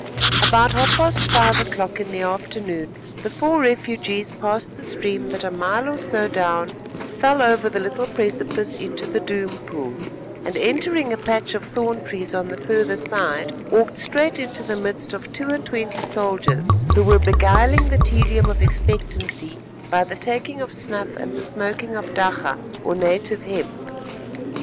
About half past five o'clock in the afternoon the four refugees passed the stream that a mile or so down fell over the little precipice into the Doom Pool; and, entering a patch of thorn trees on the further side, walked straight into the midst of two and twenty soldiers, who were beguiling the tedium of expectancy by the taking of snuff and the smoking of dakka or native hemp.